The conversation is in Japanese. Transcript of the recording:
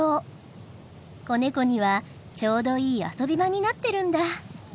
子ネコにはちょうどいい遊び場になってるんだ。